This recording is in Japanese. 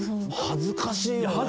恥ずかしい。